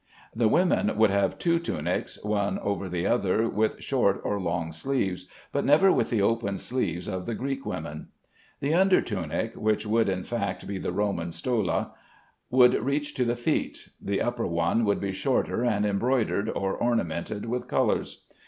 The women would have two tunics, one over the other, with short or long sleeves, but never with the open sleeves of the Greek women. The under tunic (which would, in fact, be the Roman stola) would reach to the feet. The upper one would be shorter, and embroidered or ornamented with colors.